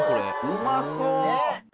うまそう！